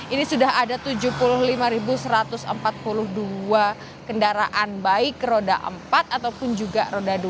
ini sudah ada tujuh puluh lima satu ratus empat puluh dua kendaraan baik roda empat ataupun juga roda dua